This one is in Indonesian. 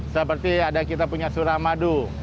seperti ada kita punya suramadu